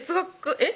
えっ？